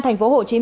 tập lu refreshing